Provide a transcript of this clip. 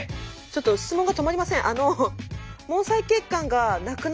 ちょっと質問が止まりません。